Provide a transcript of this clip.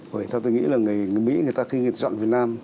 vậy theo tôi nghĩ là người mỹ người ta khi chọn việt nam